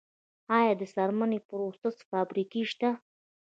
آیا د څرمنې د پروسس فابریکې شته؟